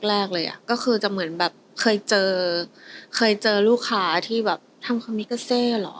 แรกเลยอ่ะก็คือจะเหมือนแบบเคยเจอเคยเจอลูกค้าที่แบบทำคำนิกาเซ่เหรอ